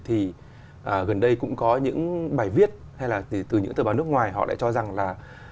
thì gần đây cũng có những bài viết hay là từ những tờ báo nước ngoài họ lại cho rằng là